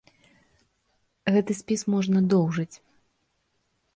Гэты спіс можна доўжыць.